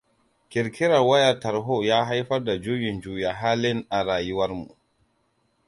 Kirkirar wayar tarho ya haifar da juyin juya halin a rayuwarmu.